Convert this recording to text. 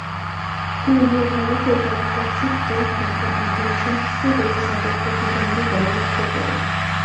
পূর্বভারতে তাঁর কর্তৃত্ব তাঁকে আদিল শাহ শূরের সাথে প্রতিদ্বন্দ্বিতায় লিপ্ত করে।